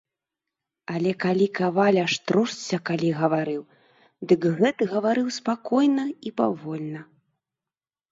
Але калі каваль аж тросся, калі гаварыў, дык гэты гаварыў спакойна і павольна.